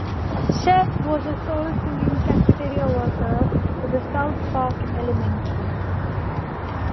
Chef was a soul-singing cafeteria worker for "South Park Elementary".